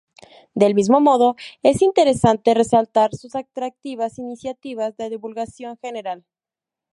Del mismo modo, es interesante resaltar sus atractivas iniciativas de divulgación general.